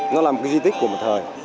nó là một cái di tích của một thời